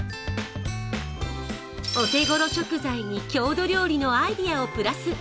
お手ごろ食材に郷土料理のアイデアをプラス。